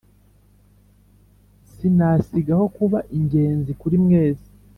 Sinasigaho kuba ingenzi kuri mwese